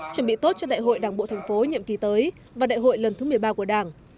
chuẩn bị tốt cho đại hội đảng bộ thành phố nhiệm kỳ tới và đại hội lần thứ một mươi ba của đảng